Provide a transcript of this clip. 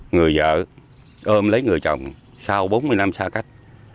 người vợ ôm lấy người chồng sau bốn mươi năm xa cách